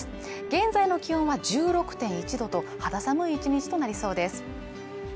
現在の気温は１６．１度と肌寒い１日となりそうです